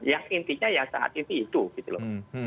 yang intinya saat ini itu